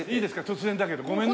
突然だけどごめんね。